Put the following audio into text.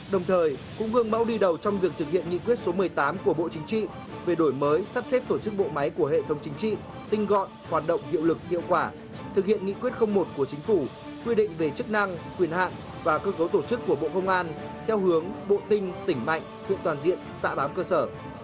đồng thời cũng gương mẫu đi đầu trong việc thực hiện nghị quyết số một mươi tám của bộ chính trị về đổi mới sắp xếp tổ chức bộ máy của hệ thống chính trị tinh gọn hoạt động hiệu lực hiệu quả thực hiện nghị quyết một của chính phủ quy định về chức năng quyền hạn và cơ cấu tổ chức của bộ công an theo hướng bộ tinh tỉnh mạnh huyện toàn diện xã bám cơ sở